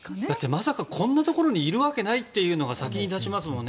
まさかこんなところにいるわけないというのが先に出しますもんね。